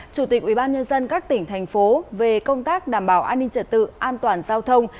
chủ tịch ubnd các tỉnh thành phố về công tác đảm bảo an ninh trật tự an toàn giao thông